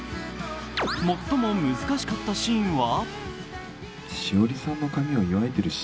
最も難しかったシーンは？